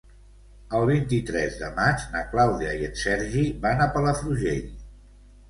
El vint-i-tres de maig na Clàudia i en Sergi van a Palafrugell.